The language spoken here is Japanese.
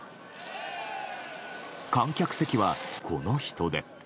観客席は、この人出。